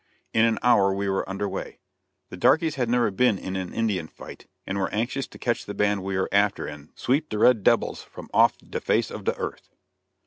In an hour we were under way. The darkies had never been in an Indian fight and were anxious to catch the band we were after and "Sweep de red debels from off de face ob de earth."